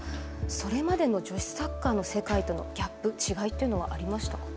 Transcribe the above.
それまでの女子サッカーの世界とのギャップ、違いはありましたか。